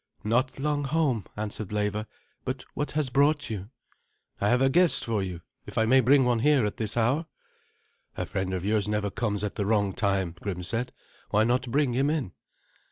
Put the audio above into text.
"Not long home," answered Leva; "but what has brought you?" "I have a guest for you, if I may bring one here at this hour." "A friend of yours never comes at the wrong time," Grim said. "Why not bring him in?"